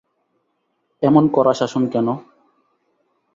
এমন কড়া শাসন কেন।